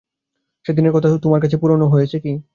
সেদিনের কথা তোমার কাছে পুরোনো হয়েছে কি?